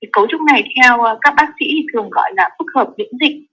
cấu trúc này theo các bác sĩ thì thường gọi là phức hợp miễn dịch